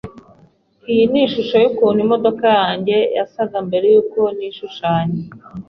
Iyi ni ishusho yukuntu imodoka yanjye yasaga mbere yuko nishushanya.